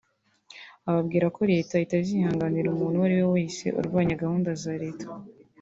ababwira ko Leta itazihanganira umuntu uwo ari we wese urwanya gahunda za Leta